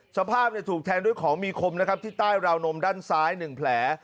สภาพถูกแทงด้วยของมีคมนะครับที่ใต้ราวนมด้านซ้าย๑แผล